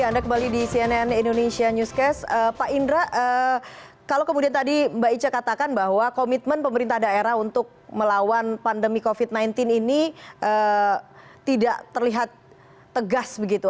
ya anda kembali di cnn indonesia newscast pak indra kalau kemudian tadi mbak ica katakan bahwa komitmen pemerintah daerah untuk melawan pandemi covid sembilan belas ini tidak terlihat tegas begitu